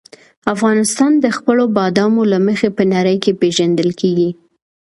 افغانستان د خپلو بادامو له مخې په نړۍ کې پېژندل کېږي.